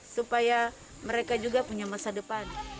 supaya mereka juga punya masa depan